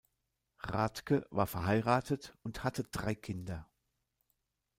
Rathke war verheiratet und hatte drei Kinder.